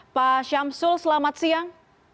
pak syamsul selamat siang